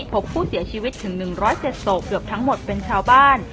พบผู้เสียชีวิตถึง๑๐๗ศพเกือบทั้งหมดเป็นชาวบ้าน